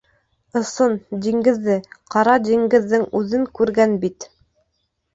Ысын диңгеҙҙе, Ҡара диңгеҙҙең үҙен күргән бит...